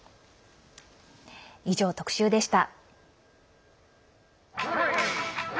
以上、特集でした。